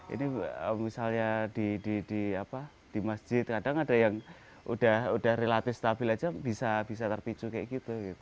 ini misalnya di masjid kadang ada yang udah relatif stabil aja bisa terpicu kayak gitu